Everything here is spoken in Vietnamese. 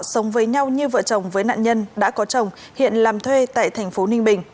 sống với nhau như vợ chồng với nạn nhân đã có chồng hiện làm thuê tại tp ninh bình